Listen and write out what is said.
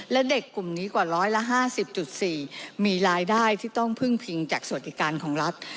และเด็กกลุ่มนี้กว่าร้อยละ๕๐๔มีรายได้ที่ต้องพึ่งพิงจากสวัสดิการของรัฐ